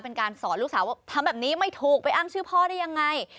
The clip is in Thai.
เป็นการสอนลูกสาวว่าทำแบบนี้ไม่ถูกไปอ้างชื่อพ่อได้ยังไง